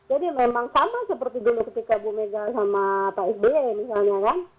jadi memang sama seperti dulu ketika bumegang sama pak sby misalnya kan